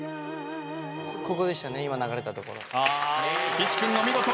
岸君お見事。